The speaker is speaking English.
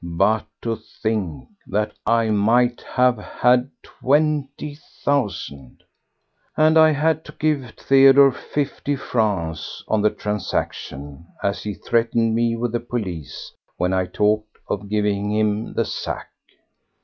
But to think that I might have had twenty thousand—! And I had to give Theodore fifty francs on the transaction, as he threatened me with the police when I talked of giving him the sack.